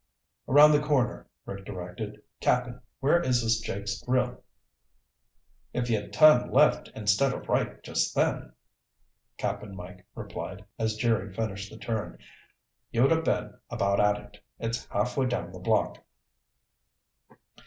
"Around the corner," Rick directed. "Cap'n, where is this Jake's Grill?" "If you'd turned left instead of right just then," Cap'n Mike replied as Jerry finished the turn, "you'd have been about at it. It's halfway down the block."